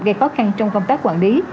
gây khó khăn trong công tác quản lý